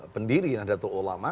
pendiri nahdlatul ulama